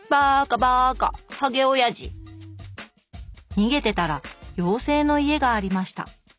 「逃げてたら、ようせいの家がありました。」